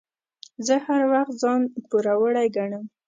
زه هر وخت ځان پوروړی ګڼم.